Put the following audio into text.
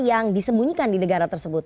yang disembunyikan di negara tersebut